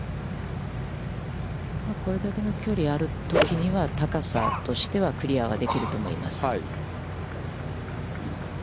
これだけの距離があるときは、高さとしては、クリアはできると思います。